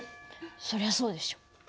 そりゃそうでしょ。